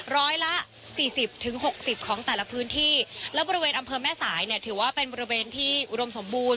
ร้อยละสี่สิบถึงหกสิบของแต่ละพื้นที่แล้วบริเวณอำเภอแม่สายเนี่ยถือว่าเป็นบริเวณที่อุดมสมบูรณ